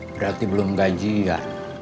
berarti belum gaji ya